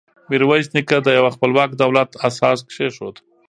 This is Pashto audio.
میرویس نیکه د یوه خپلواک دولت اساس کېښود.